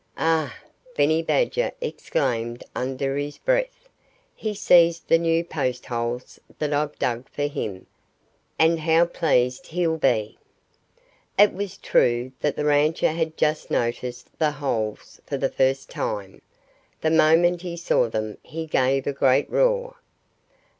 "Ah!" Benny Badger exclaimed under his breath. "He sees the new post holes that I've dug for him. And how pleased he'll be!" It was true that the rancher had just noticed the holes for the first time. The moment he saw them he gave a great roar.